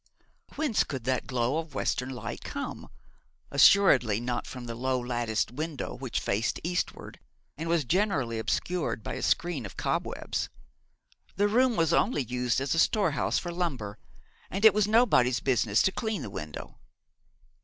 Whence could that glow of western light come? Assuredly not from the low latticed window which faced eastward, and was generally obscured by a screen of cobwebs. The room was only used as a storehouse for lumber, and it was nobody's business to clean the window.